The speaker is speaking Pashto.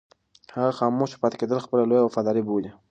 هغه خاموشه پاتې کېدل خپله لویه وفاداري بولي.